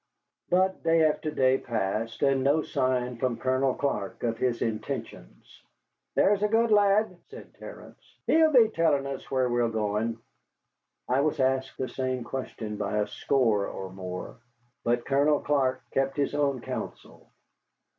But day after day passed, and no sign from Colonel Clark of his intentions. "There's a good lad," said Terence. "He'll be telling us where we're going." I was asked the same question by a score or more, but Colonel Clark kept his own counsel.